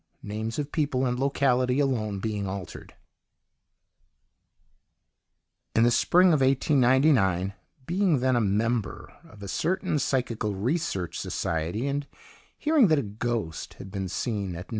Names of people and locality alone being altered In the spring of 1899, being then a member of a certain Psychical Research Society, and hearing that a ghost had been seen at No.